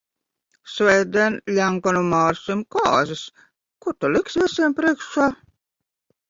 Svētdien Ļenkanu Mārcim kāzas, ko ta liks viesiem priekšā?